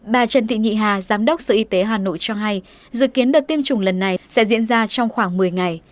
bà trần thị nhị hà giám đốc sở y tế hà nội cho hay dự kiến đợt tiêm chủng lần này sẽ diễn ra trong khoảng một mươi ngày